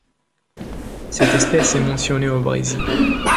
Cette espèce est mentionnée au Brésil.